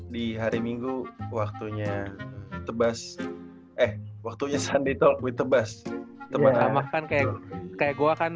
di hari minggu waktunya tebas eh waktunya sunday talk with tebas teman makan kayak kayak gua kan